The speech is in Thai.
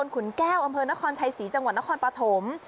คุณผู้ชม